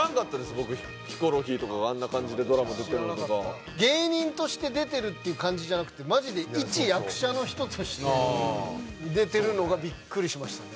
僕ヒコロヒーとかがあんな感じでドラマ出てんのとか芸人として出てるっていう感じじゃなくてマジで一役者の人として出てるのがビックリしましたね